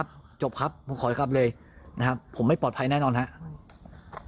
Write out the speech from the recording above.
จบครับผมขอให้กลับเลยนะครับผมไม่ปลอดภัยแน่นอนครับ